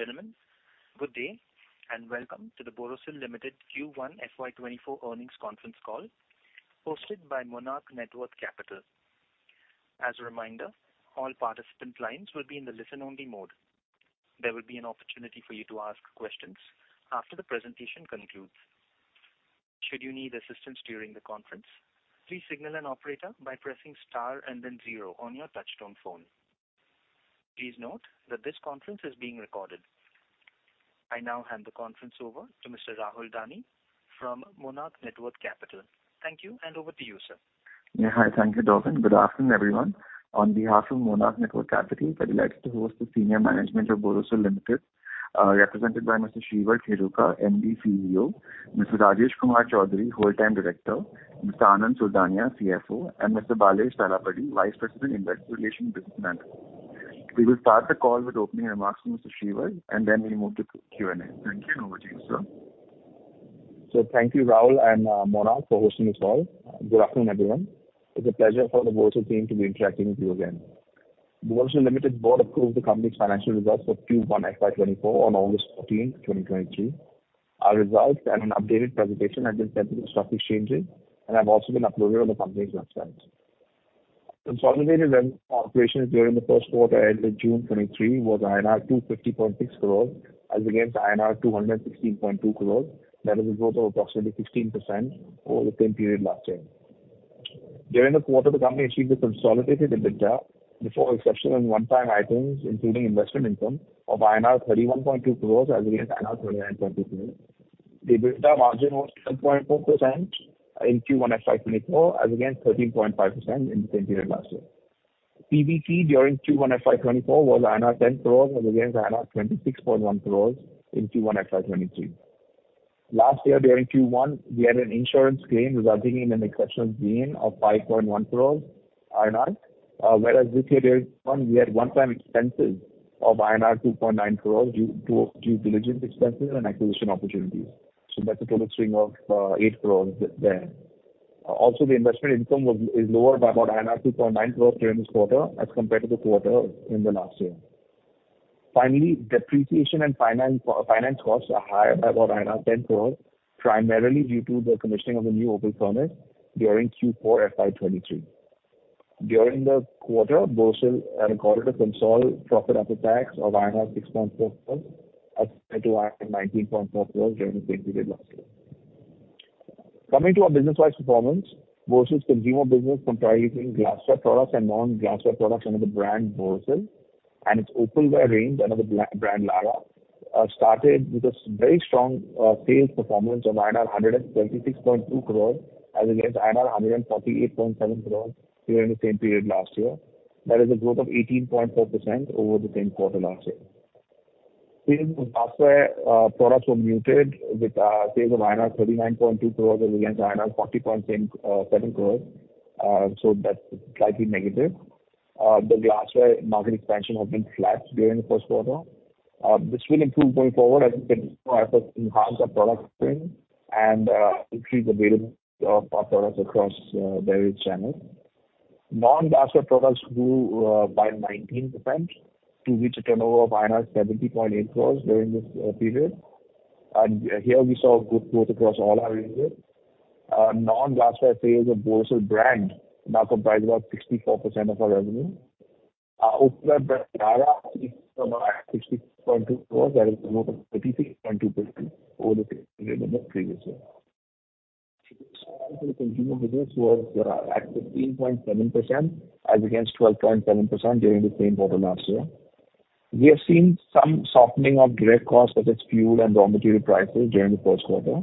Gentlemen, good day, welcome to the Borosil Limited Q1 FY24 earnings conference call, hosted by Monarch Networth Capital. As a reminder, all participant lines will be in the listen-only mode. There will be an opportunity for you to ask questions after the presentation concludes. Should you need assistance during the conference, please signal an operator by pressing star and then zero on your touch-tone phone. Please note that this conference is being recorded. I now hand the conference over to Mr. Rahul Dani from Monarch Networth Capital. Thank you, over to you, sir. Yeah, hi. Thank you, Darwin. Good afternoon, everyone. On behalf of Monarch Networth Capital, we're delighted to host the senior management of Borosil Limited, represented by Mr. Shreevar Kheruka, MD CEO; Mr. Rajesh Kumar Chaudhary, Whole Time Director; Mr. Anand Sultania, CFO; and Mr. Balesh Talapady, Vice President, Investor Relations Business Manager. We will start the call with opening remarks from Mr. Shreevar, and then we move to Q&A. Thank you, and over to you, sir. Thank you, Rahul and Monarch, for hosting this call. Good afternoon, everyone. It's a pleasure for the Borosil team to be interacting with you again. Borosil Limited board approved the company's financial results for Q1 FY24 on August 14, 2023. Our results and an updated presentation have been sent to the stock exchanges and have also been uploaded on the company's website. Consolidated revenue operations during the first quarter, ended June 2023, was INR 250.6 crores as against INR 216.2 crores. That is a growth of approximately 16% over the same period last year. During the quarter, the company achieved a consolidated EBITDA, before exception and one-time items, including investment income of INR 31.2 crores as against INR 39.3 crores. The EBITDA margin was 10.4% in Q1 FY24 as against 13.5% in the same period last year. PBT during Q1 FY24 was INR 10 crores as against INR 26.1 crores in Q1 FY23. Last year during Q1, we had an insurance claim resulting in an exceptional gain of 5.1 crores INR, whereas this year during Q1, we had one-time expenses of INR 2.9 crores due to due diligence expenses and acquisition opportunities. That's a total swing of 8 crores there. The investment income was, is lower by about INR 2.9 crores during this quarter as compared to the quarter in the last year. Finally, depreciation and finance, finance costs are higher by about INR 10 crore, primarily due to the commissioning of the new opal furnace during Q4 FY23. During the quarter, Borosil recorded a Consol profit after tax of 6.4 crore as compared to 19.4 crore during the same period last year. Coming to our business-wise performance, Borosil's consumer business comprising glassware products and non-glassware products under the brand Borosil, and its opalware range under the brand Larah, started with a very strong sales performance of INR 136.2 crore as against INR 138.7 crore during the same period last year. That is a growth of 18.4% over the same quarter last year. Sales of glassware products were muted, with sales of INR 39.2 crores against INR 40.77 crores. That's slightly negative. The glassware market expansion has been flat during the first quarter. This will improve going forward as we enhance our product range and increase availability of our products across various channels. Non-glassware products grew by 19% to reach a turnover of INR 70.8 crores during this period. Here, we saw good growth across all our ranges. Non-glassware sales of Borosil brand now comprise about 64% of our revenue. Our opalware brand, Larah, is about INR 60.2 crores, that is a growth of 38.2% over the same period in the previous year. The consumer business was at 13.7% as against 12.7% during the same quarter last year. We have seen some softening of direct costs, such as fuel and raw material prices during the first quarter,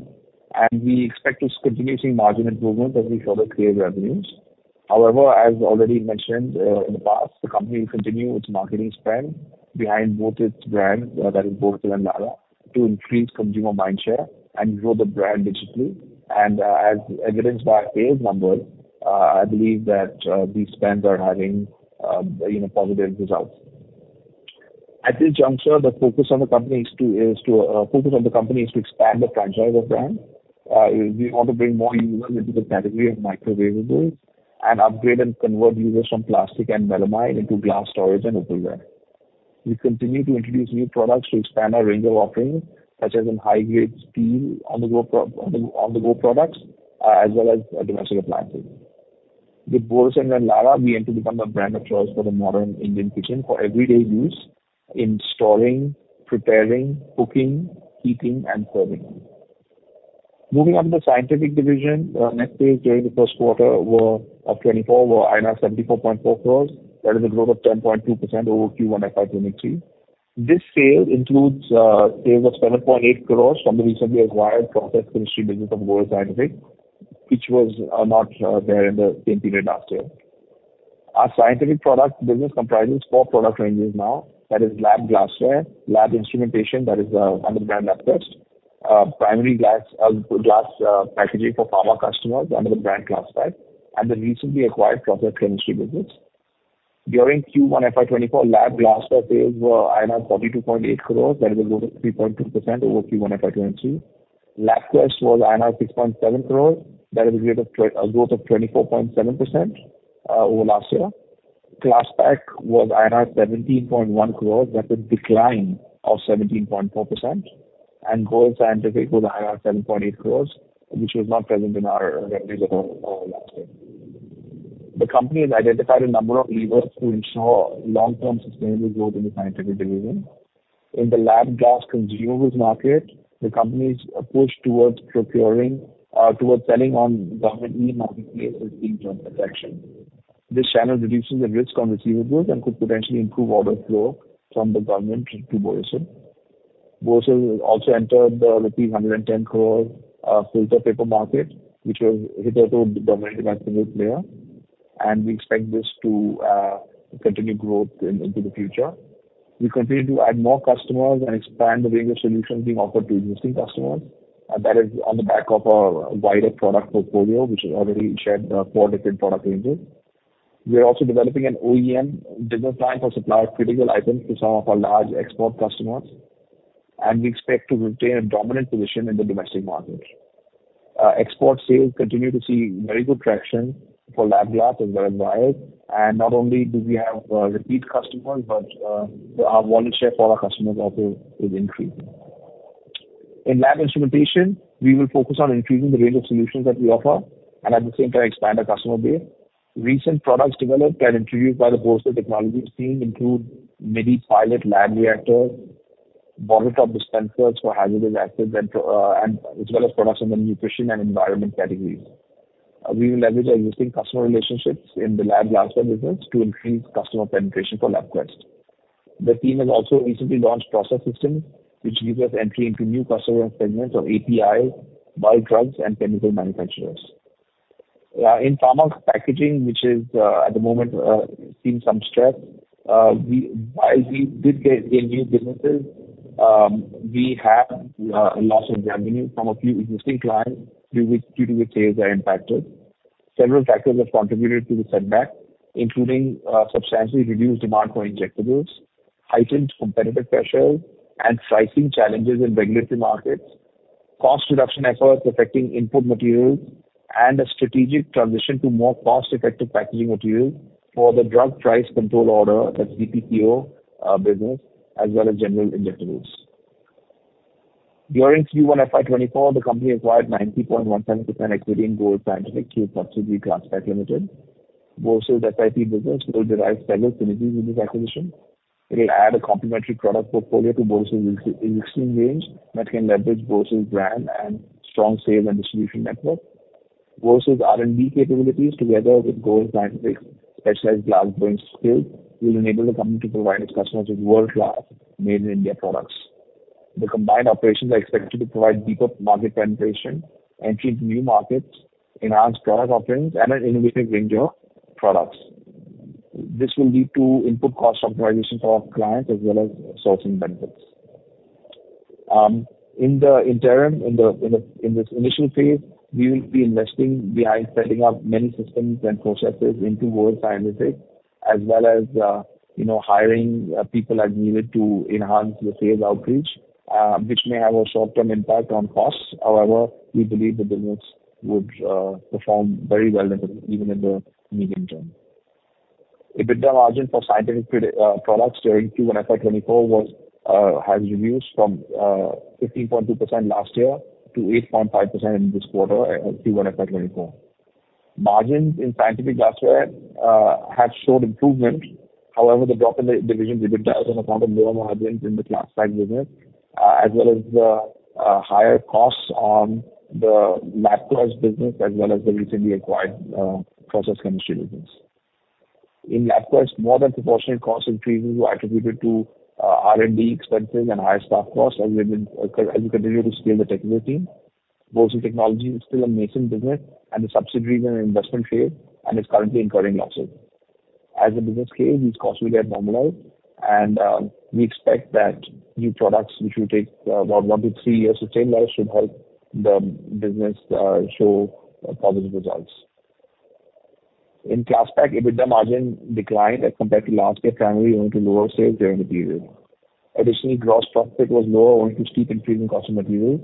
and we expect to continue seeing margin improvement as we further clear revenues. However, as already mentioned, in the past, the company will continue its marketing spend behind both its brands, that is Borosil and Larah, to increase consumer mindshare and grow the brand digitally. As evidenced by sales numbers, I believe that these spends are having, you know, positive results. At this juncture, the focus of the company is to expand the franchise of brands. We want to bring more users into the category of microwavables and upgrade and convert users from plastic and melamine into glass storage and opalware. We continue to introduce new products to expand our range of offerings, such as in high-grade steel on-the-go pro, on the, on-the-go products, as well as domestic appliances. With Borosil and then Larah, we aim to become the brand of choice for the modern Indian kitchen for everyday use in storing, preparing, cooking, heating, and serving. Moving on to the scientific division. Net sales during the first quarter of 2024 were 74.4 crores. That is a growth of 10.2% over Q1 FY23. This sale includes sales of 7.8 crores from the recently acquired process industry business of Borosil Scientific, which was not there in the same period last year. Our scientific product business comprises four product ranges now, that is lab glassware, lab instrumentation, that is, under the brand LabQuest, primary glass, glass, packaging for pharma customers under the brand Klasspack, and the recently acquired process chemistry business. During Q1 FY24, lab glassware sales were 42.8 crores, that is a growth of 3.2% over Q1 FY22. LabQuest was 6.7 crores. That is a rate of a growth of 24.7% over last year. Klasspack was 17.1 crores. That's a decline of 17.4%, and Goel Scientific was 7.8 crores, which was not present in our revenue at all last year. The company has identified a number of levers to ensure long-term sustainable growth in the scientific division. In the lab glass consumables market, the company's push towards procuring, towards selling on Government e-Marketplace is being seeing traction. This channel reduces the risk on receivables and could potentially improve order flow from the government to Borosil. Borosil also entered the rupees 110 crore filter paper market, which was hitherto dominated by a single player. We expect this to continue growth into the future. We continue to add more customers and expand the range of solutions being offered to existing customers. That is on the back of our wider product portfolio, which we already shared, four different product ranges. We are also developing an OEM business plan for supplier critical items to some of our large export customers. We expect to retain a dominant position in the domestic market. Export sales continue to see very good traction for lab glass and vials. Not only do we have repeat customers, our volume share for our customers also is increasing. In lab instrumentation, we will focus on increasing the range of solutions that we offer and, at the same time, expand our customer base. Recent products developed and introduced by the Borosil Technologies team include mini pilot lab reactors, bottle top dispensers for hazardous acids, as well as products in the nutrition and environment categories. We will leverage our existing customer relationships in the lab glassware business to increase customer penetration for LabQuest. The team has also recently launched process systems, which gives us entry into new customer segments of API, bio drugs, and chemical manufacturers. In pharma packaging, which is at the moment seeing some stress, we, while we did gain new businesses, we have a loss of revenue from a few existing clients due to which sales are impacted. Several factors have contributed to the setback, including substantially reduced demand for injectables, heightened competitive pressures and pricing challenges in regulatory markets, cost reduction efforts affecting input materials, and a strategic transition to more cost-effective packaging materials for the Drugs (Prices Control) Order, that's DPCO business, as well as general injectables. During Q1 FY24, the company acquired 90.17% equity in Goel Scientific subsidiary, Klasspack Limited. Borosil's SIP business will derive several synergies with this acquisition. It will add a complementary product portfolio to Borosil's existing range that can leverage Borosil's brand and strong sales and distribution network. Borosil's R&D capabilities, together with Goel Scientific's specialized glassware skills, will enable the company to provide its customers with world-class made-in-India products. The combined operations are expected to provide deeper market penetration, entry into new markets, enhanced product offerings, and an innovative range of products. This will lead to input cost optimization for our clients as well as sourcing benefits. In the interim, in the, in the, in this initial phase, we will be investing behind setting up many systems and processes into Goel Scientific, as well as, you know, hiring people as needed to enhance the sales outreach, which may have a short-term impact on costs. However, we believe the business would perform very well even in the medium term. EBITDA margin for scientific products during Q1 FY24 has reduced from 15.2% last year to 8.5% in this quarter, Q1 FY24. Margins in scientific glassware have showed improvement, however, the drop in the division EBITDA is on account of lower margins in the Klasspack business, as well as higher costs on the LabQuest business, as well as the recently acquired process chemistry business. In LabQuest, more than proportionate cost increases were attributed to R&D expenses and higher staff costs as we continue to scale the technical team. Borosil Technologies is still a nascent business, and the subsidiary is in an investment phase and is currently incurring losses. As the business scales, these costs will get normalized. We expect that new products, which will take 1-3 years to stabilize, should help the business show positive results. In Klasspack, EBITDA margin declined as compared to last year, primarily owing to lower sales during the period. Additionally, gross profit was lower, owing to steep increase in cost of materials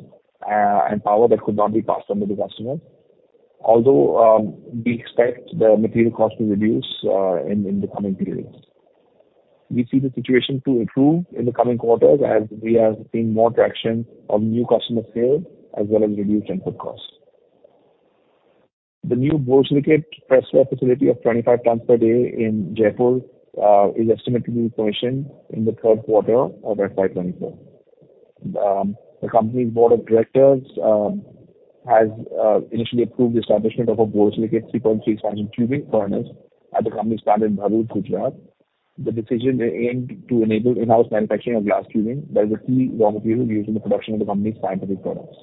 and power that could not be passed on to the customers. Although, we expect the material cost to reduce in the coming periods. We see the situation to improve in the coming quarters as we are seeing more traction on new customer sales as well as reduced input costs. The new borosilicate press ware facility of 25 tons per day in Jaipur is estimated to be commissioned in the third quarter of FY24. The company's board of directors has initially approved the establishment of a borosilicate 3.6 million tubing furnace at the company's plant in Bhavnagar, Gujarat. The decision aimed to enable in-house manufacturing of glass tubing, that is a key raw material used in the production of the company's scientific products.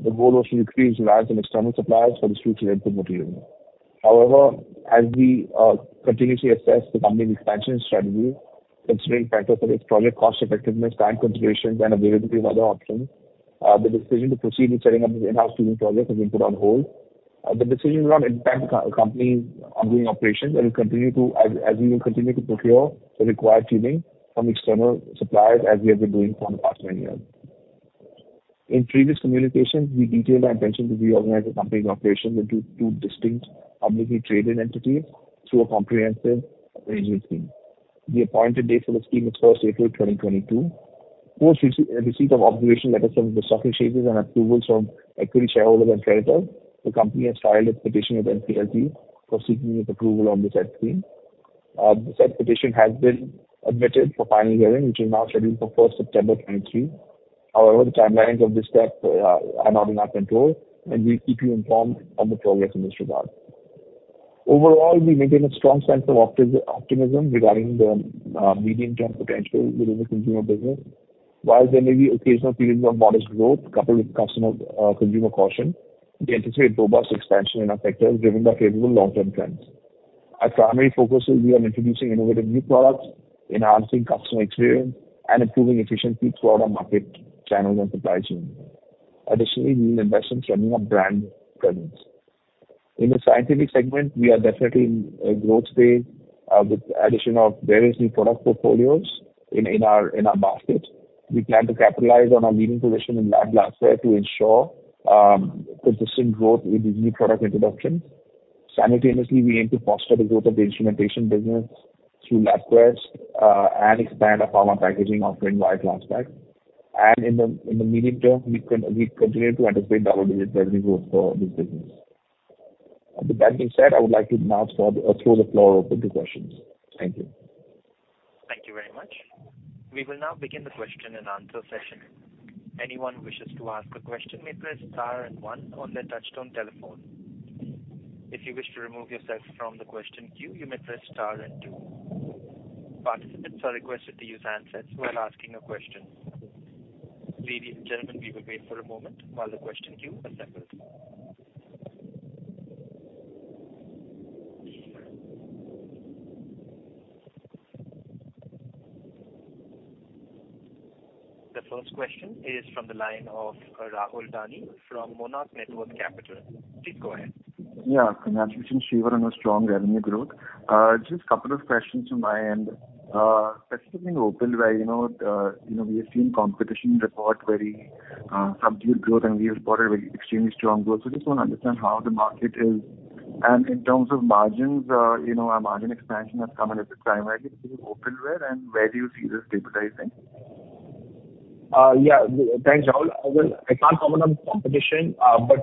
The goal was to increase reliance on external suppliers for this crucial input material. However, as we continuously assess the company's expansion strategy, considering factors such as project cost effectiveness, time considerations, and availability of other options, the decision to proceed with setting up the in-house tubing project has been put on hold. The decision will not impact the company's ongoing operations, and we will continue to procure the required tubing from external suppliers as we have been doing for the past many years. In previous communications, we detailed our intention to reorganize the company's operations into two distinct publicly traded entities through a comprehensive arrangement scheme. The appointed date for the scheme is April 1, 2022. Post receipt of observation letters from the stockholders and approvals from equity shareholders and creditors, the company has filed a petition with NCLT for seeking its approval on this scheme. The said petition has been admitted for final hearing, which is now scheduled for September 1, 2023. However, the timelines of this step are not in our control, and we'll keep you informed on the progress in this regard. Overall, we maintain a strong sense of optimism regarding the medium-term potential within the consumer business. While there may be occasional periods of modest growth coupled with customer, consumer caution, we anticipate robust expansion in our sectors, given the favorable long-term trends. Our primary focuses, we are introducing innovative new products, enhancing customer experience, and improving efficiency throughout our market channels and supply chain. Additionally, we will invest in strengthening our brand presence. In the scientific segment, we are definitely in a growth stage, with addition of various new product portfolios in, in our, in our basket. We plan to capitalize on our leading position in lab glassware to ensure consistent growth with these new product introductions. Simultaneously, we aim to foster the growth of the instrumentation business through LabQuest and expand our pharma packaging offering by Klasspack. In the medium term, we continue to anticipate double-digit revenue growth for this business. With that being said, I would like to now throw the floor open to questions. Thank you. Thank you very much. We will now begin the question and answer session. Anyone who wishes to ask a question may press star and one on their touchtone telephone. If you wish to remove yourself from the question queue, you may press star and two. Participants are requested to use handsets while asking a question. Ladies and gentlemen, we will wait for a moment while the question queue assembles. The first question is from the line of Rahul Dani from Monarch Networth Capital. Please go ahead. Yeah. Congratulations, Shreevar, on a strong revenue growth. Just a couple of questions from my end. Specifically Opalware, you know, you know, we have seen competition report very subdued growth, and we have got a very extremely strong growth. Just want to understand how the market is. In terms of margins, you know, our margin expansion has come in at the primarily because of Opalware, and where do you see this stabilizing? Yeah, thanks, Rahul. Well, I can't comment on competition,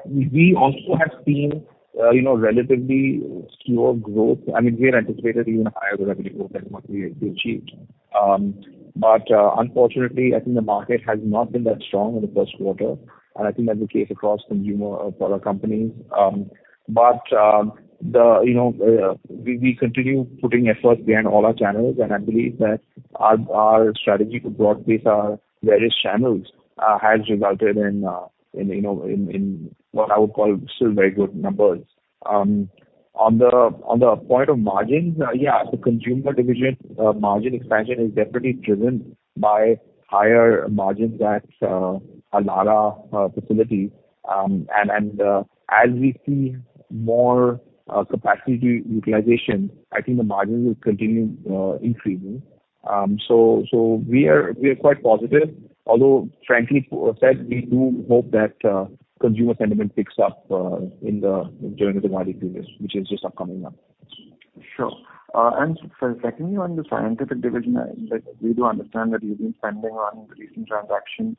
we also have seen, you know, relatively slower growth. I mean, we had anticipated even higher the revenue growth than what we, we achieved. Unfortunately, I think the market has not been that strong in the first quarter, and I think that's the case across consumer product companies. The, you know, we, we continue putting efforts behind all our channels, and I believe that our, our strategy to broad base our various channels, has resulted in, in, you know, in, in what I would call still very good numbers. On the, on the point of margins, yeah, the consumer division, margin expansion is definitely driven by higher margins at our Larah facility. As we see more capacity utilization, I think the margins will continue increasing. So, we are quite positive, although frankly said, we do hope that consumer sentiment picks up during the Diwali period, which is just upcoming up. Sure. Secondly, on the scientific division, like, we do understand that you've been spending on the recent transaction.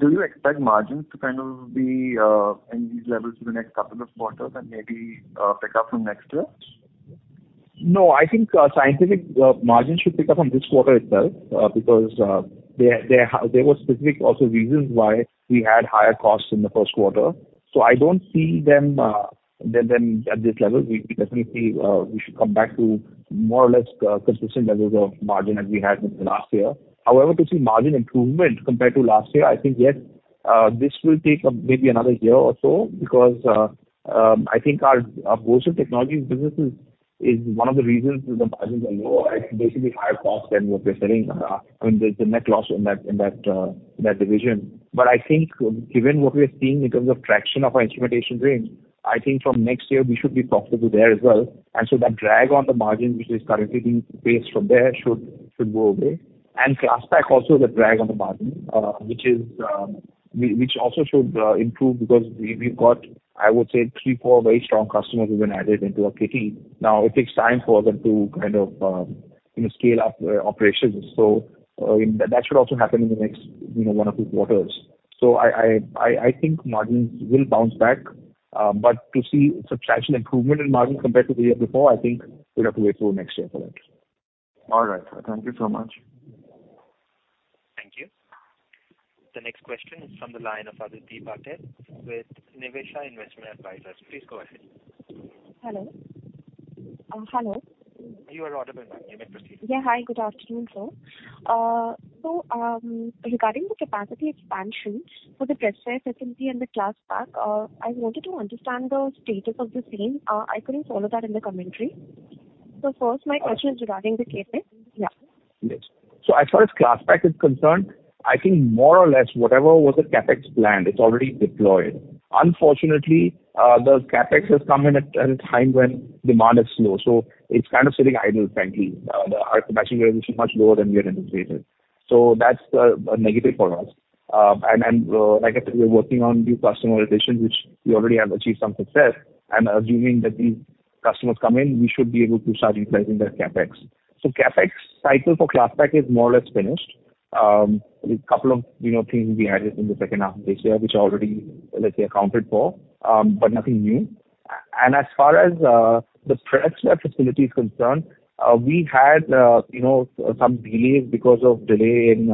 Do you expect margins to kind of be in these levels for the next couple of quarters and maybe pick up from next year? No, I think, scientific margins should pick up on this quarter itself, because there, there, there were specific also reasons why we had higher costs in the first quarter. I don't see them, them, them at this level. We, definitely, we should come back to more or less consistent levels of margin as we had in the last year. However, to see margin improvement compared to last year, I think, yes, this will take maybe another year or so, because I think our, our Borosil Technologies businesses is one of the reasons the margins are low. It's basically higher cost than what we're selling, and there's a net loss in that, in that, in that division. I think given what we are seeing in terms of traction of our instrumentation range, I think from next year we should be profitable there as well. So that drag on the margin, which is currently being faced from there, should go away. Klasspack also the drag on the margin, which is, which also should improve because we've got, I would say, three, four very strong customers who've been added into our kitty. Now, it takes time for them to kind of, you know, scale up operations. That should also happen in the next, you know, one or two quarters. I think margins will bounce back. To see substantial improvement in margins compared to the year before, I think we'll have to wait till next year for that. All right. Thank you so much. Thank you. The next question is from the line of Aditi Patel with Niveshaay Investment Advisors. Please go ahead. Hello? hello. You are audible, ma'am. You may proceed. Yeah. Hi, good afternoon, sir. regarding the capacity expansion for the glassware facility and the Klasspack, I wanted to understand the status of the same. I couldn't follow that in the commentary. First, my question is regarding the CapEx. Yeah. Yes. As far as Klasspack is concerned, I think more or less whatever was the CapEx plan, it's already deployed. Unfortunately, the CapEx has come in at, at a time when demand is low, so it's kind of sitting idle, frankly. Our capacity is much lower than we had anticipated, so that's a negative for us. And then, like I said, we're working on new customer relations, which we already have achieved some success, and assuming that these customers come in, we should be able to start utilizing that CapEx. CapEx cycle for Klasspack is more or less finished. A couple of, you know, things we added in the second half of this year, which already, let's say, accounted for, but nothing new. As far as the production facility is concerned, we had, you know, some delays because of delay in,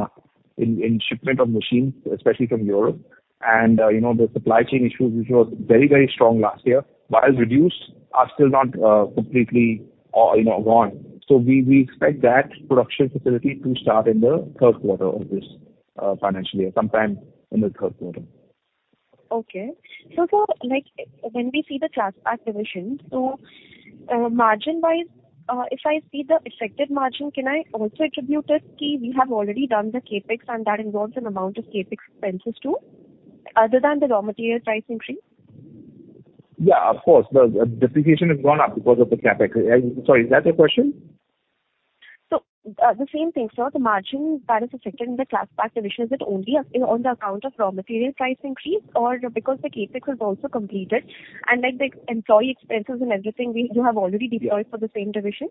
in shipment of machines, especially from Europe and, you know, the supply chain issues, which was very, very strong last year, but has reduced, are still not completely, you know, gone. We, we expect that production facility to start in the 3rd quarter of this financial year, sometime in the 3rd quarter. Okay. sir, like, when we see the Klasspack division, so, margin-wise, if I see the affected margin, can I also attribute it, key, we have already done the CapEx, and that involves an amount of CapEx expenses, too, other than the raw material price increase? Yeah, of course, the depreciation has gone up because of the CapEx. Sorry, is that your question? The same thing, sir. The margin that is affected in the Klasspack division, is it only on the account of raw material price increase or because the CapEx was also completed, and like the employee expenses and everything, you have already deployed for the same division?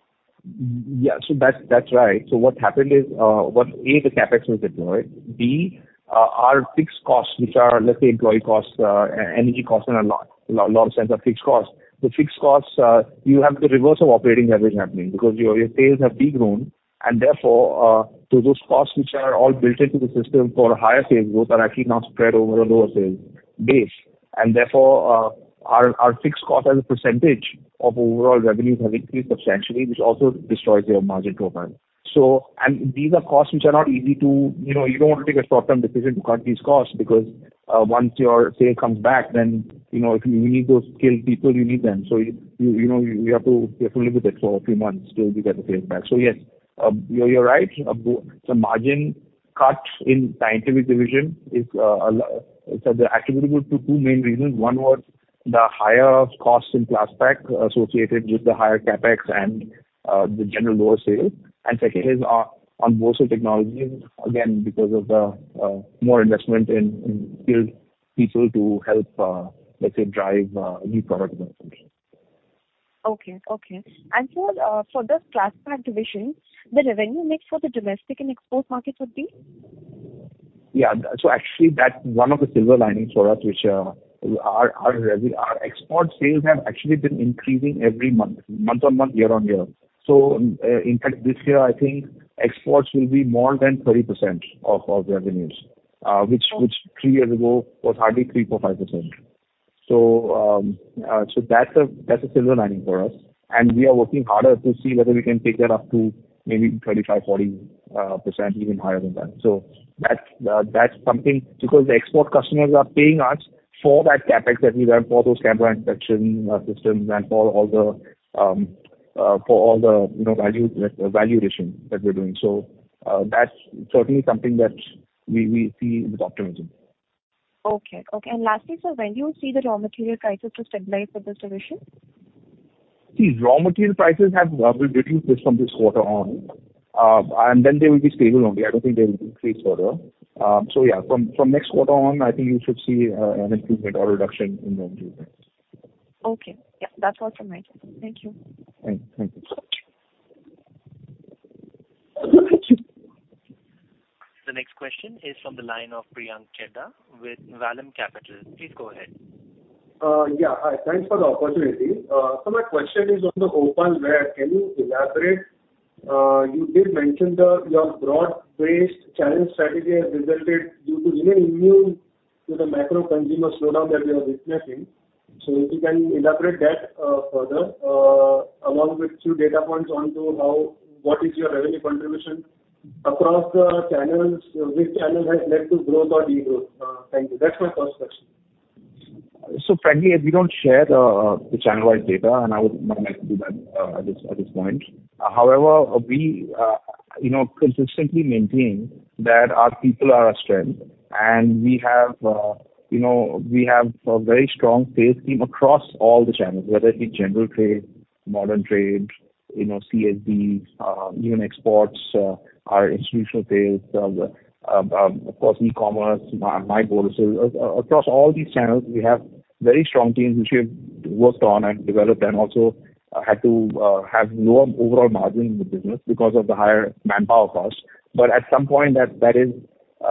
Yeah. So that's, that's right. What happened is, A, the CapEx was deployed. B, our fixed costs, which are, let's say, employee costs, energy costs and a lot, a lot of sense of fixed costs. The fixed costs, you have the reverse of operating leverage happening because your, your sales have de-grown, and therefore, those costs, which are all built into the system for a higher sales growth, are actually now spread over a lower sales base. Therefore, our, our fixed cost as a percentage of overall revenues have increased substantially, which also destroys your margin profile. These are costs which are not easy to. You know, you don't want to take a short-term decision to cut these costs because, once your sale comes back, then, you know, if you need those skilled people, you need them. You, you, you know, you have to, you have to live with it for a few months till we get the sales back. Yes, you're, you're right. The margin cuts in the scientific division is, so they're attributable to 2 main reasons. One was the higher costs in Klasspack associated with the higher CapEx and, the general lower sales. Second is on, on Borosil Technologies, again, because of the, more investment in, in skilled people to help, let's say, drive, new product development. Okay. Okay. Sir, for this Klasspack division, the revenue mix for the domestic and export markets would be? Yeah. Actually, that's one of the silver linings for us, which, our export sales have actually been increasing every month, month-on-month, year-on-year. In fact, this year, I think exports will be more than 30% of revenues, which 3 years ago was hardly 3%, 4%, 5%. That's a silver lining for us, and we are working harder to see whether we can take that up to maybe 35%, 40%, even higher than that. That's something because the export customers are paying us for that CapEx that we ran for those camera inspection systems and for all the, for all the, you know, value, value addition that we're doing. That's certainly something that we see with optimism. Okay. Okay. Lastly, sir, when do you see the raw material prices to stabilize for this division? Raw material prices have reduced from this quarter on, then they will be stable only. I don't think they will increase further. From, from next quarter on, I think you should see an improvement or reduction in raw material prices. Okay. Yeah. That's all from my end. Thank you. Thank you. The next question is from the line of Priyank Chheda with Vallum Capital. Please go ahead. Yeah. Hi, thanks for the opportunity. My question is on the Opalware. Can you elaborate? You did mention your broad-based channel strategy has resulted due to remaining immune to the macro consumer slowdown that we are witnessing. If you can elaborate that further, along with few data points onto how, what is your revenue contribution across the channels, which channel has led to growth or de-growth? Thank you. That's my first question. Frankly, we don't share the channel-wide data, and I would not like to do that at this, at this point. However, we, you know, consistently maintain that our people are our strength, and we have, you know, we have a very strong sales team across all the channels, whether it be general trade, modern trade, you know, CSDs, even exports, our institutional sales, of course, e-commerce, myborosil.com. Across all these channels, we have very strong teams which we have worked on and developed and also had to have lower overall margin in the business because of the higher manpower costs. At some point, that, that is,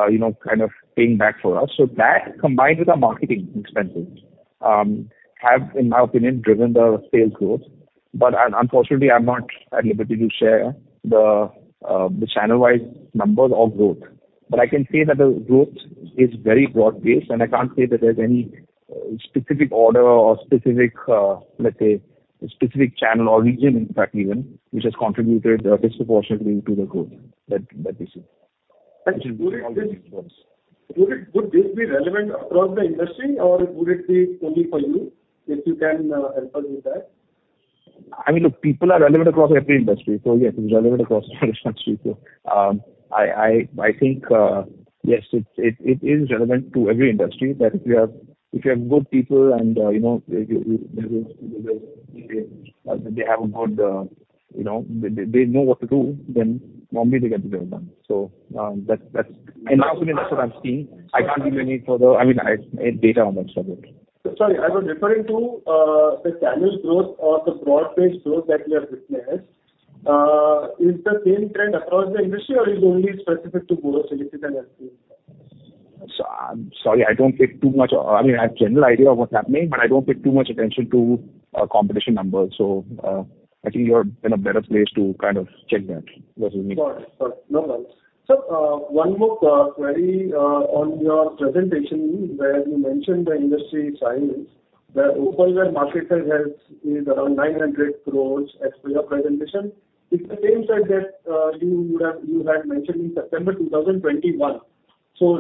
you know, kind of paying back for us. That, combined with our marketing expenses, have, in my opinion, driven the sales growth. unfortunately, I'm not at liberty to share the, the channel-wise numbers or growth. I can say that the growth is very broad-based, and I can't say that there's any specific order or specific, let's say, specific channel or region, in fact, even, which has contributed disproportionately to the growth that, that we see. Would it, would this be relevant across the industry, or would it be only for you, if you can, help us with that? ... I mean, look, people are relevant across every industry. Yes, it's relevant across every industry. I, I, I think, yes, it's, it, it is relevant to every industry, that if you have, if you have good people and, you know, they, they, they, they, they have a good, you know, they, they, they know what to do, then normally they get the job done. That's and also that's what I'm seeing. I can't give any further... I mean, I, data on that subject. Sorry, I was referring to, the salary growth or the broad-based growth that you have witnessed. Is the same trend across the industry or is it only specific to Borosil and SP? I'm sorry, I mean, I have general idea of what's happening, but I don't pay too much attention to competition numbers. I think you're in a better place to kind of check that, what you need. Got it. Got it. No worries. One more query on your presentation, where you mentioned the industry size, the opalware market size has, is around 900 crore as per your presentation. It's the same size that you had mentioned in September 2021.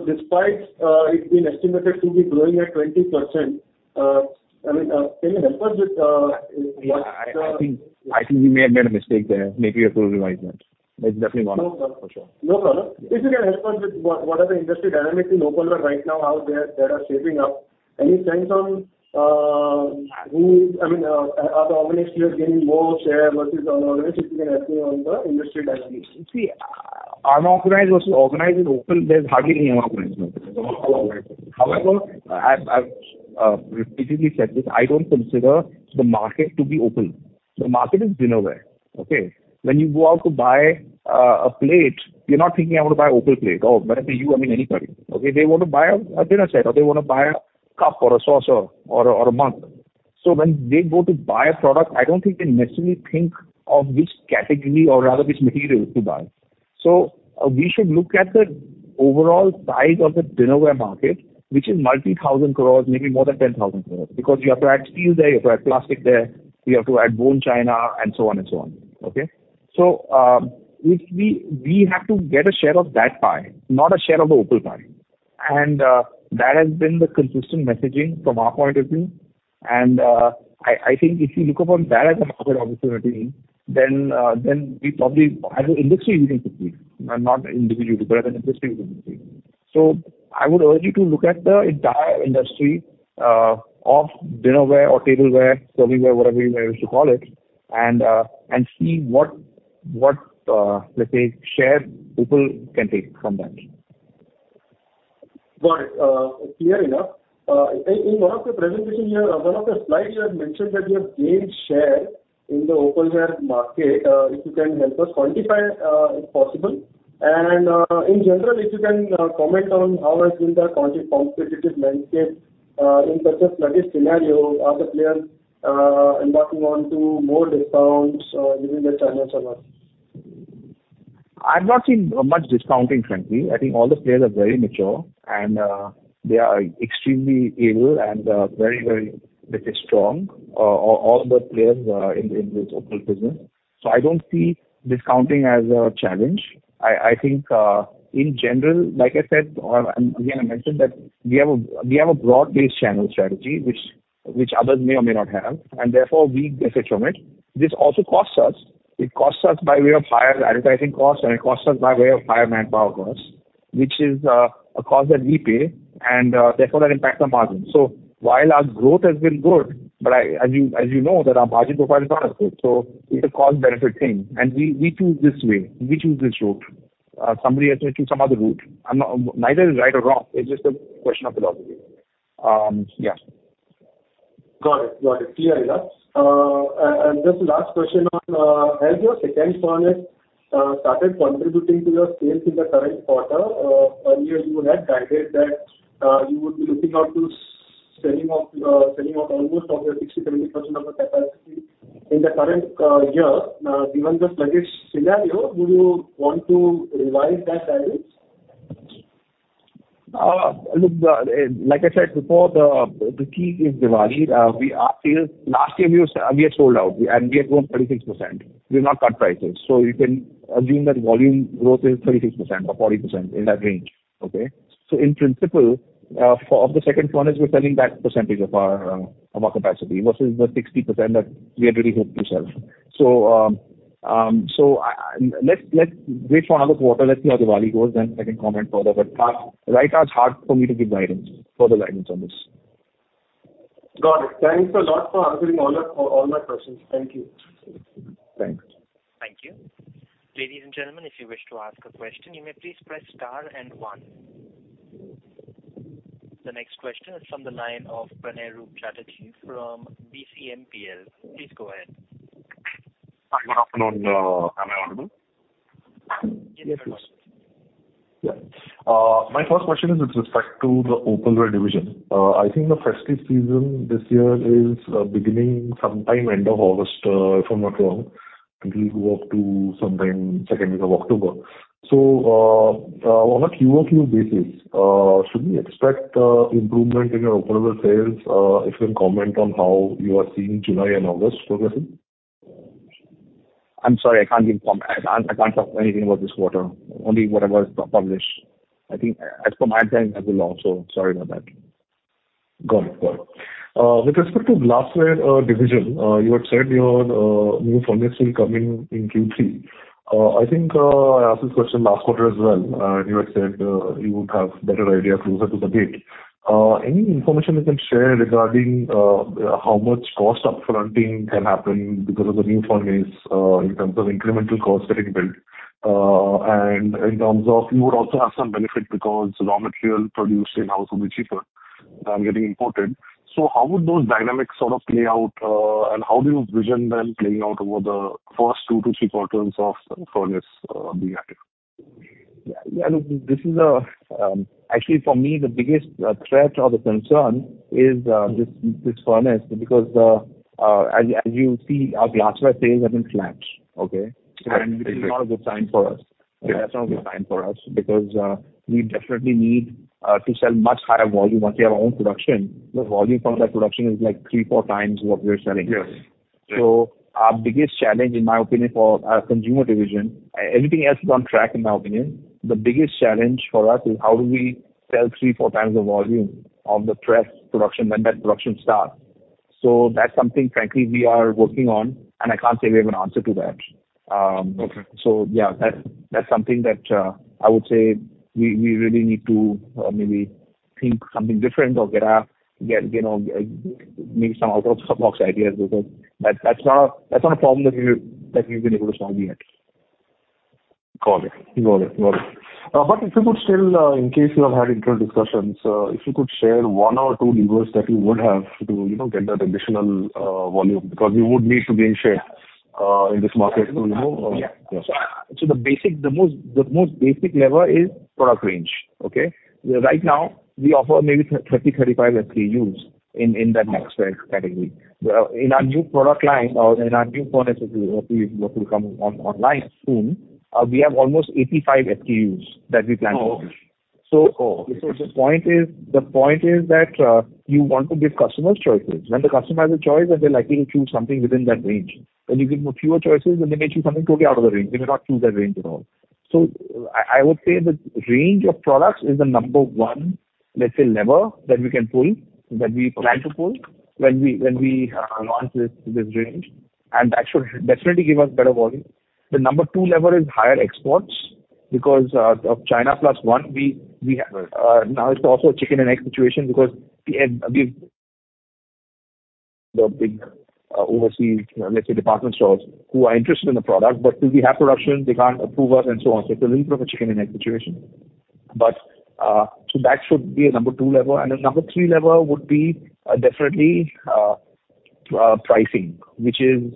Despite it being estimated to be growing at 20%, I mean, can you help us with what the- I think we may have made a mistake there. Maybe we have to revise that. That's definitely not accurate, for sure. No problem. If you can help us with what, what are the industry dynamics in opalware right now, how they are, that are shaping up? Any trends on, I mean, are the organizers gaining more share versus the organizers? If you can help me on the industry dynamics. See, unorganized versus organized is opal, there's hardly any unorganized. However, I've, I've repeatedly said this: I don't consider the market to be open. The market is dinnerware, okay? When you go out to buy a plate, you're not thinking, "I want to buy an open plate," or whether you, I mean anybody, okay? They want to buy a, a dinner set, or they want to buy a cup or a saucer or, or a mug. When they go to buy a product, I don't think they necessarily think of which category or rather which material to buy. We should look at the overall size of the dinnerware market, which is multi-thousand crores, maybe more than 10,000 crores. You have to add steel there, you have to add plastic there, you have to add bone china, and so on and so on, okay? If we, we have to get a share of that pie, not a share of the opal pie. That has been the consistent messaging from our point of view. I, I think if you look upon that as a market opportunity, then, then we probably, as an industry, we will succeed, not individually, but as an industry, we will succeed. I would urge you to look at the entire industry of dinnerware or tableware, serving ware, whatever you may wish to call it, and see what, what, let's say, share open can take from that. Got it. Clear enough. In, in one of your presentations, you have-- one of the slides, you have mentioned that you have gained share in the opalware market. If you can help us quantify, if possible. In general, if you can comment on how has been the competitive landscape in such a sluggish scenario, are the players embarking on to more discounts, giving their channels or what? I've not seen much discounting frankly. I think all the players are very mature, and they are extremely able and very, very, let's say, strong, all, all the players in this, in this open business. I don't see discounting as a challenge. I, I think, in general, like I said, or again, I mentioned that we have a, we have a broad-based channel strategy, which, which others may or may not have, and therefore we benefit from it. This also costs us. It costs us by way of higher advertising costs, and it costs us by way of higher manpower costs, which is a cost that we pay, and therefore, that impacts our margins. While our growth has been good, but as you, as you know, that our margin profile is not as good. It's a cost-benefit thing, and we, we choose this way, we choose this route. Somebody has to choose some other route. Neither is right or wrong, it's just a question of philosophy. Yeah. Got it. Got it. Clear enough. Just the last question on has your second furnace started contributing to your sales in the current quarter? Earlier you had guided that you would be looking out to selling off selling off almost of your 60%, 70% of the capacity in the current year. Given the sluggish scenario, do you want to revise that guidance? Look, like I said before, the key is Diwali. We are still... Last year, we had sold out, and we had grown 36%. We did not cut prices. You can assume that volume growth is 36% or 40%, in that range, okay? In principle, of the second furnace, we're selling that percentage of our capacity versus the 60% that we had really hoped to sell. I, I... Let's wait for another quarter. Let's see how Diwali goes, then I can comment further. Right now, it's hard for me to give guidance, further guidance on this. Got it. Thanks a lot for answering all my, all my questions. Thank you. Thanks. Thank you. Ladies and gentlemen, if you wish to ask a question, you may please press star and one. The next question is from the line of Pranay Roop Chatterjee from BCMPL. Please go ahead. Hi, good afternoon. Am I audible? Yes, you are. Yeah. My first question is with respect to the opalware division. I think the festive season this year is beginning sometime end of August, if I'm not wrong, it will go up to sometime second week of October. On a quarter-over-quarter basis, should we expect improvement in your opalware sales? If you can comment on how you are seeing July and August progressing. I'm sorry, I can't give comment. I can't, I can't talk anything about this quarter, only whatever is published. I think as per my understanding as well, also. Sorry about that. Got it. Got it. With respect to glassware division, you had said your new furnace will coming in Q3. I think I asked this question last quarter as well, and you had said you would have better idea closer to the date. Any information you can share regarding how much cost up-fronting can happen because of the new furnace, in terms of incremental costs getting built? And in terms of you would also have some benefit because raw material produced in-house will be cheaper than getting imported. How would those dynamics sort of play out, and how do you envision them playing out over the first 2 to 3 quarters of the furnace being active? Yeah, look, this is, actually, for me, the biggest threat or the concern is this, this furnace, because as, as you see, our glassware sales have been flat, okay? Right. This is not a good sign for us. Yeah. That's not a good sign for us because we definitely need to sell much higher volume once we have our own production. The volume from that production is, like, three, four times what we are selling. Yes. Our biggest challenge, in my opinion, for our consumer division, everything else is on track, in my opinion. The biggest challenge for us is how do we sell three, four times the volume of the press production when that production starts? That's something, frankly, we are working on, and I can't say we have an answer to that. Okay. Yeah, that's, that's something that, I would say we, we really need to, maybe think something different or get, get, you know, maybe some out-of-the-box ideas because that's not a, that's not a problem that we, that we've been able to solve yet. Got it. Got it. Got it. If you could still, in case you have had internal discussions, if you could share one or two levers that you would have to, you know, get that additional volume, because you would need to gain share in this market, you know? Yeah. Yes. The most, the most basic lever is product range, okay? Right now, we offer maybe 30, 35 SKUs in that next category. In our new product line or in our new furnace, which will come online soon, we have almost 85 SKUs that we plan to launch. Oh, okay. So- Oh, okay. The point is, the point is that you want to give customers choices. When the customer has a choice, then they're likely to choose something within that range. When you give them fewer choices, then they may choose something totally out of the range. They may not choose that range at all. I, I would say the range of products is the number 1, let's say, lever that we can pull, that we plan to pull when we, when we launch this, this range, and that should definitely give us better volume. The number 2 lever is higher exports because of China Plus One, we, we have, now it's also a chicken and egg situation because we have, we... the big, overseas, let's say, department stores who are interested in the product, but till we have production, they can't approve us and so on. It's a little of a chicken and egg situation. So that should be a number two lever. The number three lever would be, definitely, pricing, which is,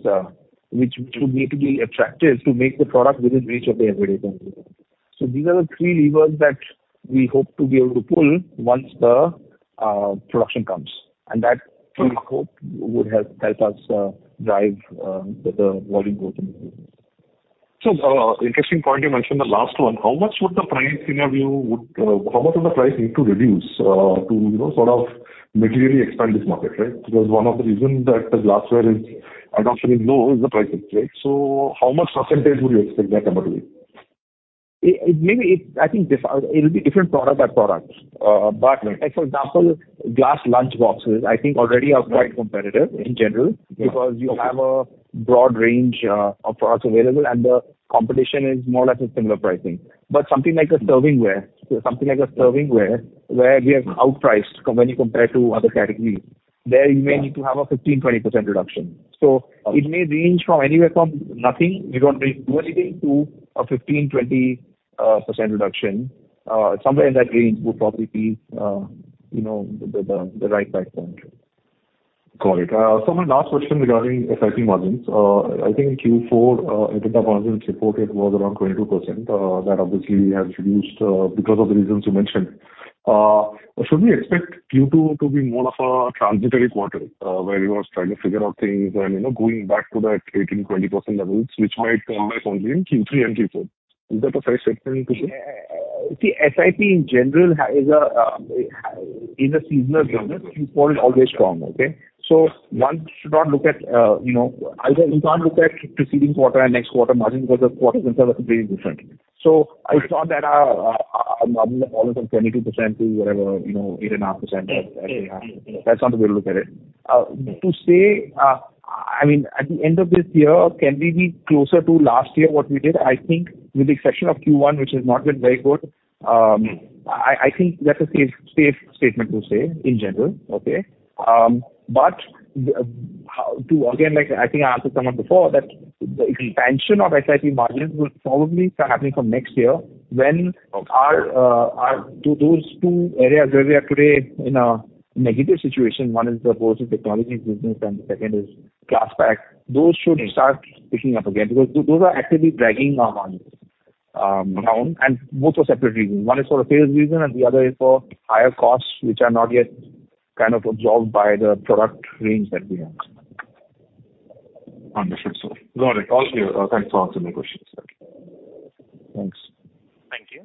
which, which would need to be attractive to make the product within reach of the everyday consumer. These are the three levers that we hope to be able to pull once the, production comes, and that we hope would help, help us, drive, the, the volume growth in the business. Interesting point you mentioned the last one. How much would the price, in your view, would how much would the price need to reduce to, you know, sort of materially expand this market, right? Because one of the reasons that the glassware is adoption is low is the pricing, right? How much % would you expect that to be? It, it may be, I think, different. It'll be different product by product. Right. like, for example, glass lunchboxes, I think already are quite competitive in general. Yeah. Because you have a broad range of products available, and the competition is more or less a similar pricing. Something like a serving ware, something like a serving ware, where we are outpriced when you compare to other categories, there you may need to have a 15%-20% reduction. Okay. It may range from anywhere from nothing, we don't need to do anything, to a 15-20% reduction. Somewhere in that range would probably be, you know, the, the, the right price point. Got it. My last question regarding SIP margins. I think in Q4, EBITDA margins reported was around 22%. That obviously has reduced, because of the reasons you mentioned. Should we expect Q2 to be more of a transitory quarter, where you are trying to figure out things and, you know, going back to that 18%-20% levels, which might come by something in Q3 and Q4? Is that a fair statement to make? See, SIP in general has a seasonal business. Q4 is always strong, okay. One should not look at, you know, either you can't look at preceding quarter and next quarter margin, because the quarters themselves are very different. I thought that a margin of almost from 22% to whatever, you know, 8.5%. Mm-hmm. That's not the way to look at it. To say, I mean, at the end of this year, can we be closer to last year, what we did? I think with the exception of Q1, which has not been very good, I, I think that's a safe, safe statement to say in general, okay? How, to again, like, I think I asked someone before, that the expansion of SIP margins will probably start happening from next year, when- Okay. Our, to those two areas where we are today in a negative situation, one is the whole technology business, and the second is Klasspack. Right. Those should start picking up again, because those are actively dragging our margins down, and both for separate reasons. One is for a sales reason, and the other is for higher costs, which are not yet kind of absorbed by the product range that we have. Understood, sir. Got it. All clear. Thanks for answering my questions. Thank you. Thanks. Thank you.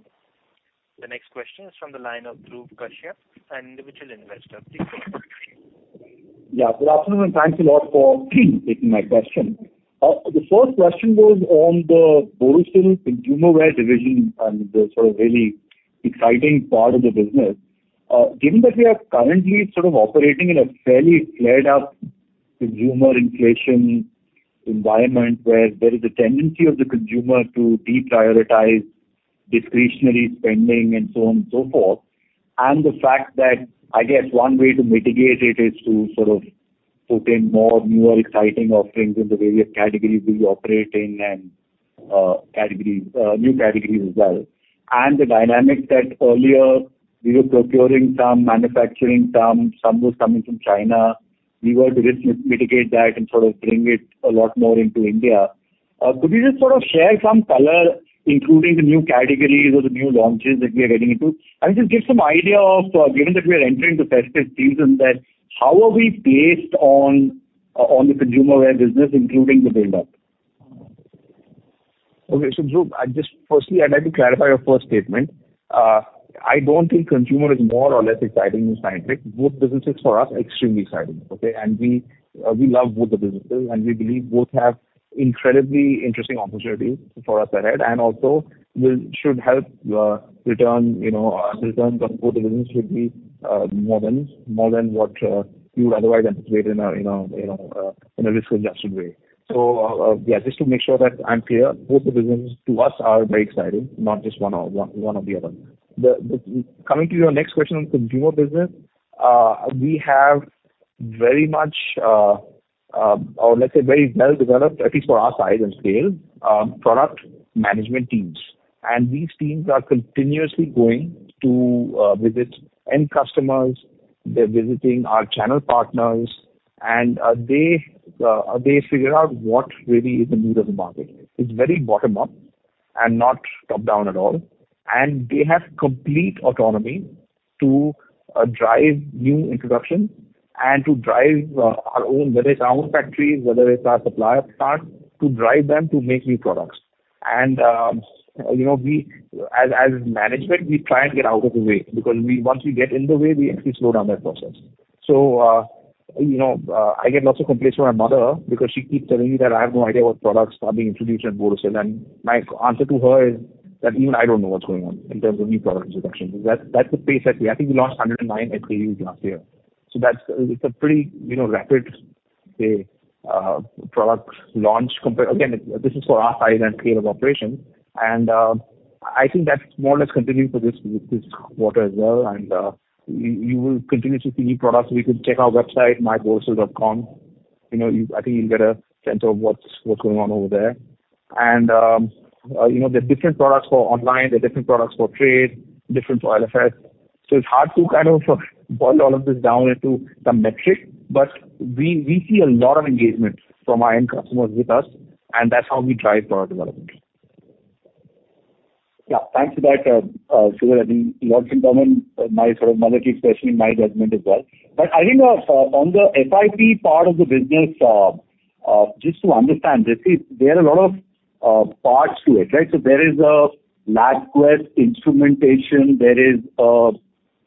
The next question is from the line of Dhruv Kashyap, Individual Investor. Please go ahead. Yeah, good afternoon, thanks a lot for taking my question. The first question was on the Borosil consumer wear division, and the sort of really exciting part of the business. Given that we are currently sort of operating in a fairly flared up consumer inflation environment, where there is a tendency of the consumer to deprioritize discretionary spending, and so on and so forth. The fact that, I guess, one way to mitigate it is to sort of put in more newer, exciting offerings in the various categories we operate in, and categories, new categories as well. The dynamics that earlier we were procuring some, manufacturing some, some were coming from China. We were to mitigate that and sort of bring it a lot more into India. Could you just sort of share some color, including the new categories or the new launches that we are getting into? Just give some idea of, given that we are entering the festive season, that how are we placed on the consumer wear business, including the build-up? Okay. Dhruv Kashyap, firstly, I'd like to clarify your first statement. I don't think consumer is more or less exciting than scientific. Both businesses for us are extremely exciting, okay? We love both the businesses, and we believe both have incredibly interesting opportunities for us ahead, and also should help return, you know, returns on both the business should be more than, more than what you would otherwise anticipate in a risk-adjusted way. Yeah, just to make sure that I'm clear, both the business to us are very exciting, not just one or one, one or the other. Coming to your next question on consumer business, we have very much, or let's say very well developed, at least for our size and scale, product management teams. These teams are continuously going to visit end customers, they're visiting our channel partners, and they figure out what really is the need of the market. It's very bottom-up and not top-down at all. They have complete autonomy to drive new introductions and to drive our own, whether it's our own factories, whether it's our supplier partners, to drive them to make new products. You know, we as management we try and get out of the way, because once we get in the way, we actually slow down that process. You know, I get lots of complaints from my mother, because she keeps telling me that I have no idea what products are being introduced at Borosil. My answer to her is that even I don't know what's going on in terms of new product introduction. That's the pace that we. I think we launched 109 SKUs last year. It's a pretty, you know, rapid, say, product launch compared. Again, this is for our size and scale of operation. I think that's more or less continuing for this quarter as well. You will continue to see new products. We could check our website, myborosil.com. You know, you. I think you'll get a sense of what's going on over there. you know, there are different products for online, there are different products for trade, different for LFS. It's hard to kind of boil all of this down into some metric, but we, we see a lot of engagement from our end customers with us, and that's how we drive product development. Yeah, thanks for that, Shreevar. I think a lot in common, my sort of analogy, especially in my judgment as well. I think, on the SIP part of the business, just to understand, there is, there are a lot of parts to it, right? There is a labware instrumentation, there is a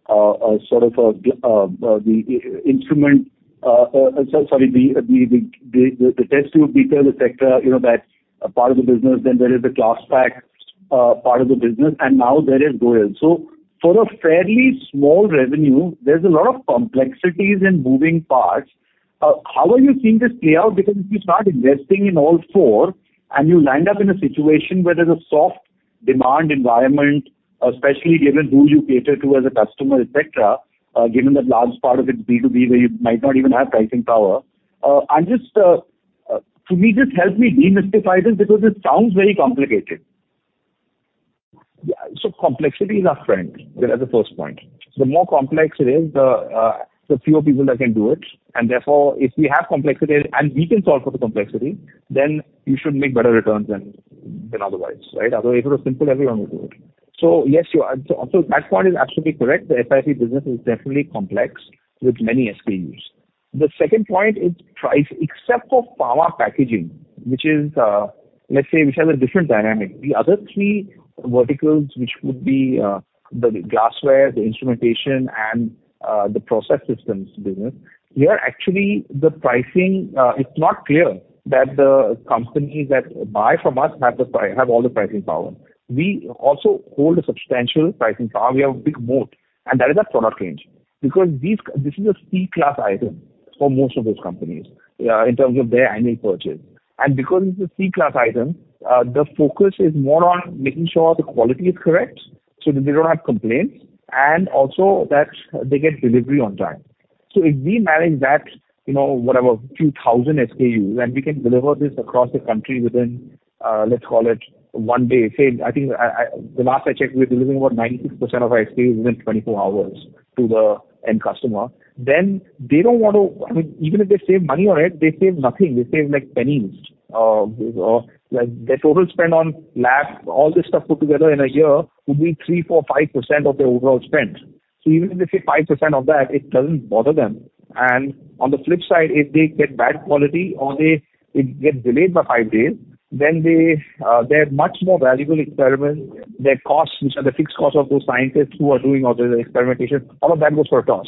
sort of the instrument, sorry, the, the, the, the test tube detail, et cetera, you know, that part of the business, then there is the Klasspack part of the business, and now there is borosilicate. For a fairly small revenue, there's a lot of complexities in moving parts. How are you seeing this play out? Because if you start investing in all four and you land up in a situation where there's a soft demand environment, especially given who you cater to as a customer, et cetera, given that large part of it is B2B, where you might not even have pricing power. And just for me, just help me demystify this, because it sounds very complicated. Yeah. Complexity is our friend, that is the first point. The more complex it is, the fewer people that can do it, and therefore, if we have complexity and we can solve for the complexity, then you should make better returns than otherwise, right? Otherwise, if it was simple, everyone would do it. Yes, you are... that part is absolutely correct. The SIP business is definitely complex, with many SKUs. The second point is price, except for power packaging, which is, let's say, which has a different dynamic. The other three verticals, which would be the glassware, the instrumentation, and the process systems business, we are actually the pricing- it's not clear that the companies that buy from us have all the pricing power. We also hold a substantial pricing power. We have a big moat, that is our product range. Because this is a C-class item for most of those companies, in terms of their annual purchase. Because it's a C-class item, the focus is more on making sure the quality is correct, so that they don't have complaints, and also that they get delivery on time. If we manage that, you know, whatever, 2,000 SKUs, and we can deliver this across the country within, let's call it 1 day. Say, I think I... The last I checked, we're delivering about 96% of our SKUs within 24 hours to the end customer. They don't want to I mean, even if they save money on it, they save nothing. They save, like, pennies. Like, their total spend on lab, all this stuff put together in a year, could be 3%, 4%, 5% of their overall spend. Even if they save 5% of that, it doesn't bother them. On the flip side, if they get bad quality or they, it gets delayed by 5 days, then they, they're much more valuable experiment. Their costs, which are the fixed costs of those scientists who are doing all the experimentation, all of that goes for a toss.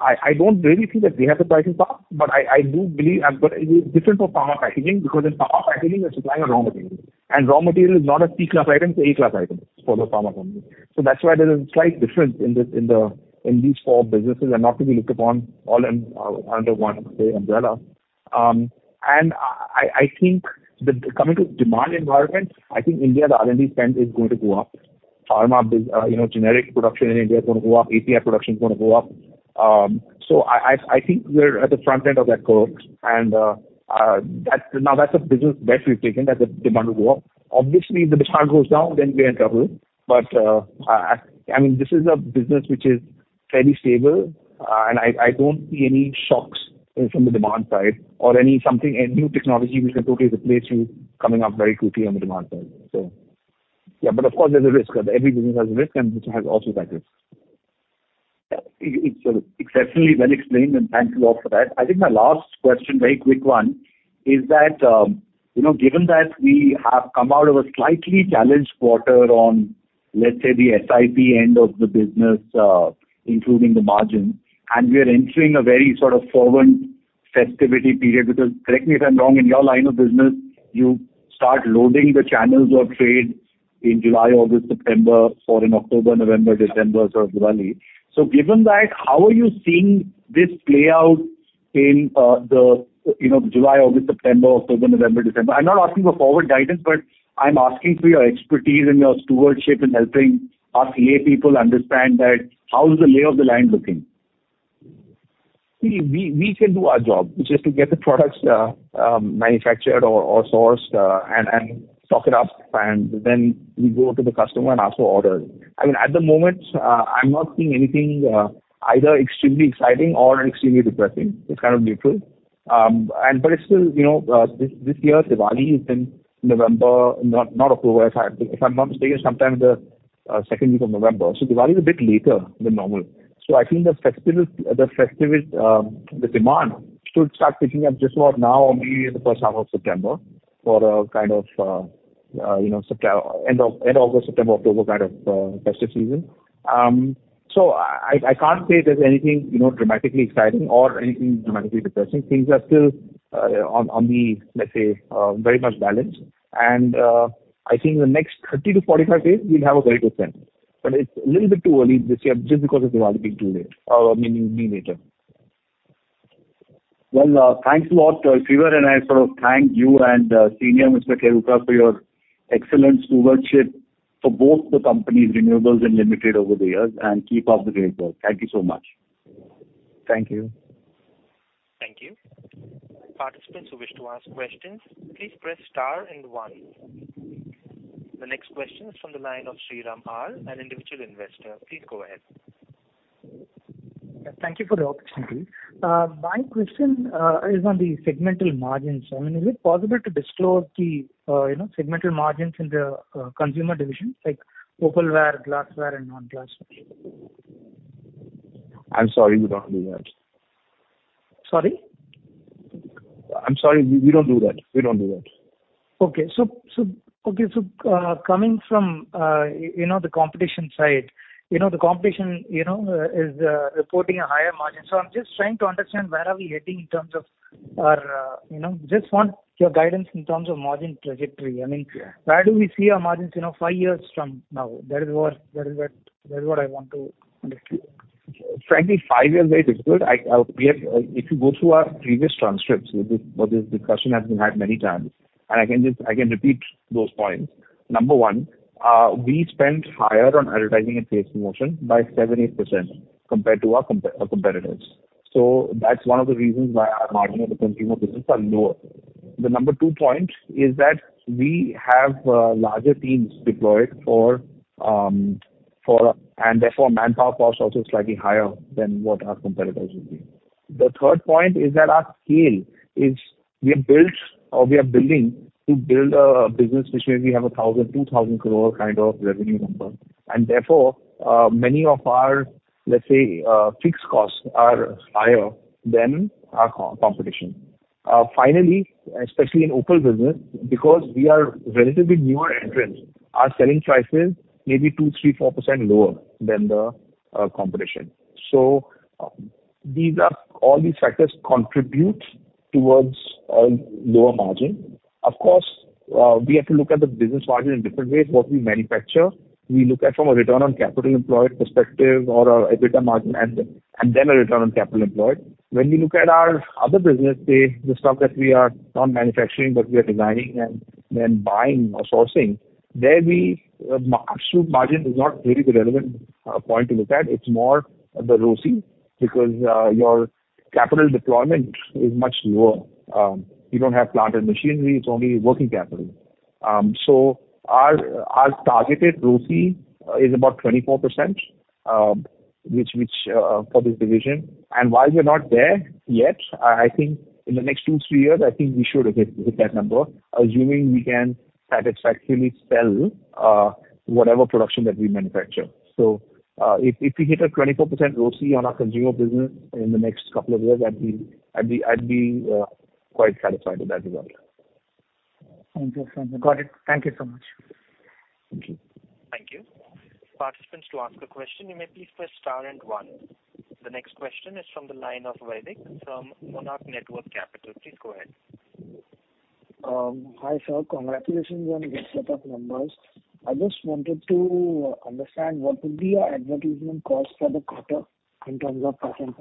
I, I don't really think that we have the pricing power, but I, I do believe, and but it is different from pharma packaging, because in pharma packaging, we're supplying a raw material, and raw material is not a C-class item, it's an A-class item for the pharma company. That's why there is a slight difference in this- in the- in these four businesses and not to be looked upon all, under one, say, umbrella. I, I think the-- coming to demand environment, I think India, the R&D spend is going to go up. Pharma bus-, you know, generic production in India is gonna go up, API production is gonna go up. I, I, I think we're at the front end of that curve, that's-- now that's a business bet we've taken, that the demand will go up. Obviously, if the demand goes down, then we're in trouble. I mean, this is a business which is fairly stable, and I, I don't see any shocks from the demand side or any something, any new technology which can totally replace you coming up very quickly on the demand side. Yeah, of course, there's a risk. Every business has a risk, and this has also that risk. It's exceptionally well explained, and thank you all for that. I think my last question, very quick one, is that, you know, given that we have come out of a slightly challenged quarter on, let's say, the SIP end of the business, including the margin, and we are entering a very sort of forward festivity period. Because correct me if I'm wrong, in your line of business, you start loading the channels or trade in July, August, September, or in October, November, December, so Diwali. So given that, how are you seeing this play out in, the, you know, July, August, September, October, November, December? I'm not asking for forward guidance, but I'm asking for your expertise and your stewardship in helping us laypeople understand that how is the lay of the land looking? We can do our job, which is to get the products manufactured or sourced and stock it up, and then we go to the customer and ask for orders. I mean, at the moment, I'm not seeing anything either extremely exciting or extremely depressing. It's kind of neutral. But it's still, you know, this year, Diwali is in November, not October, if I'm not mistaken, sometime the second week of November. Diwali is a bit later than normal. I think the festive demand should start picking up just about now or maybe in the first half of September for a kind of, you know, end August, September, October kind of festive season. I, I can't say there's anything, you know, dramatically exciting or anything dramatically depressing. Things are still on, on the, let's say, very much balanced. I think in the next 30 to 45 days, we'll have a very good sense. It's a little bit too early this year just because of Diwali being too late, meaning being later. Thanks a lot, Shreevar, and I sort of thank you and, senior Mr. Kheruka, for your excellent stewardship for both the companies, Renewables and Limited over the years, and keep up the great work. Thank you so much. Thank you. Thank you. Participants who wish to ask questions, please press star and one. The next question is from the line of Shriram L, an individual investor. Please go ahead. Thank you for the opportunity. My question is on the segmental margins. I mean, is it possible to disclose the, you know, segmental margins in the consumer division, like opalware, glassware, and non-glass? I'm sorry, we don't do that. Sorry? I'm sorry, we, we don't do that. We don't do that. Okay. so, okay, so, coming from, you know, the competition side, you know, the competition, you know, is reporting a higher margin. I'm just trying to understand where are we heading in terms of our... You know, just want your guidance in terms of margin trajectory. I mean, where do we see our margins, you know, 5 years from now? That is what I want to understand. Frankly, 5-year rate is good. If you go through our previous transcripts, this, well, this discussion has been had many times. I can repeat those points. Number one, we spend higher on advertising and sales promotion by 7%-8% compared to our competitors. That's one of the reasons why our margin in the consumer business are lower. The number two point is that we have larger teams deployed for. Therefore, manpower cost is also slightly higher than what our competitors would be. The third point is that our scale is we have built or we are building to build a business which maybe have a 1,000 crore-2,000 crore kind of revenue number. Therefore, many of our, let's say, fixed costs are higher than our competition. Finally, especially in opal business, because we are relatively newer entrants, our selling prices may be 2%, 3%, 4% lower than the competition. All these factors contribute towards a lower margin. Of course, we have to look at the business margin in different ways. What we manufacture, we look at from a return on capital employed perspective or a EBITDA margin and then, and then a return on capital employed. When we look at our other business, say, the stuff that we are not manufacturing, but we are designing and then buying or sourcing, there we, gross margin is not really the relevant point to look at. It's more the ROCE, because your capital deployment is much lower. You don't have plant and machinery, it's only working capital. Our, our targeted ROCE is about 24%, which, which for this division. While we are not there yet, I, I think in the next two, three years, I think we should hit, hit that number, assuming we can satisfactorily sell whatever production that we manufacture. If, if we hit a 24% ROCE on our consumer business in the next couple of years, I'd be, I'd be, I'd be quite satisfied with that development. Got it. Thank you so much. Thank you. Participants, to ask a question, you may please press star and one. The next question is from the line of Vaidik from Monarch Networth Capital. Please go ahead. Hi, sir. Congratulations on this set of numbers. I just wanted to understand what would be your advertisement cost for the quarter in terms of %?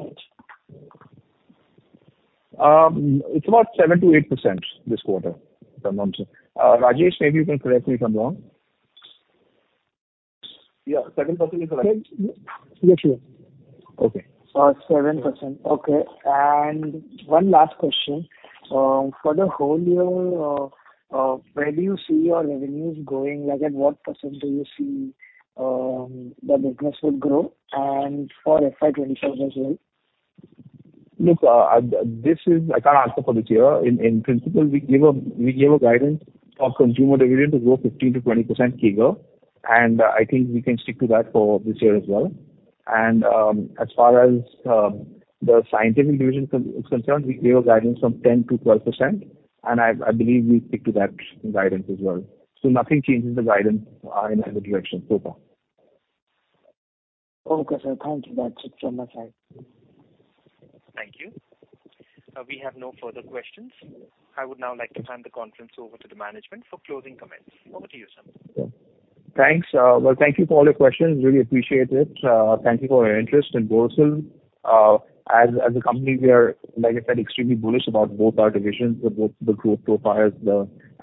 It's about 7%-8% this quarter. If I'm not wrong. Rajesh, maybe you can correct me if I'm wrong. Yeah, 7% is correct. Yes, sure. Okay. 7%. Okay, one last question. For the whole year, where do you see your revenues going? Like, at what percent do you see the business would grow, and for FY 2025 as well? Look, this is I can't answer for this year. In, in principle, we gave a, we gave a guidance of consumer division to grow 15%-20% CAGR, and I think we can stick to that for this year as well. As far as, the scientific division is concerned, we gave a guidance from 10%-12%, and I, I believe we stick to that guidance as well. Nothing changes the guidance in either direction so far. Okay, sir. Thank you. That's it from my side. Thank you. We have no further questions. I would now like to hand the conference over to the management for closing comments. Over to you, sir. Thanks. Well, thank you for all your questions. Really appreciate it. Thank you for your interest in Borosil. As, as a company, we are, like I said, extremely bullish about both our divisions, the growth profiles,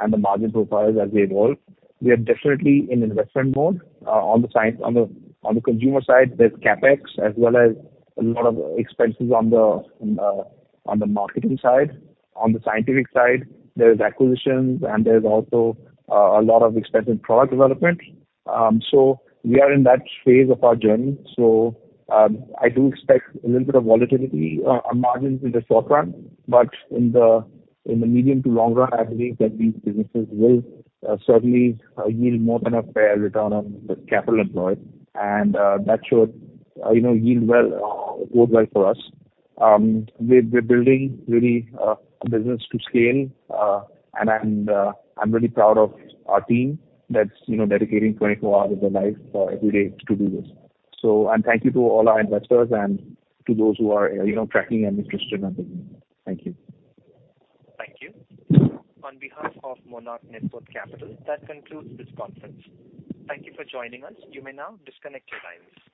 and the margin profiles as they evolve. We are definitely in investment mode. On the consumer side, there's CapEx as well as a lot of expenses on the marketing side. On the scientific side, there's acquisitions, and there's also a lot of expensive product development. We are in that phase of our journey. I do expect a little bit of volatility on margins in the short run, but in the medium to long run, I believe that these businesses will certainly yield more than a fair return on the capital employed. That should, you know, yield well worldwide for us. We're, we're building really a business to scale, and I'm really proud of our team that's, you know, dedicating 24 hours of their life every day to do this. Thank you to all our investors and to those who are, you know, tracking and interested in the business. Thank you. Thank you. On behalf of Monarch Networth Capital, that concludes this conference. Thank you for joining us. You may now disconnect your lines.